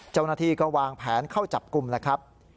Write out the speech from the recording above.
เจ้าหน้าที่ก็วางแผนเข้าจับกลุ่มแล้วครับ